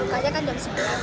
rukanya kan jam sembilan